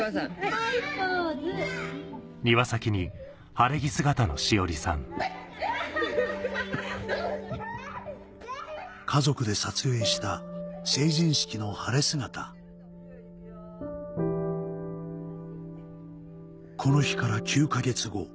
・はいポーズ・家族で撮影した成人式の晴れ姿この日から９か月後